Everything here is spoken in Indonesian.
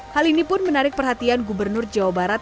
hal ini pun menarik perhatian gubernur jawa barat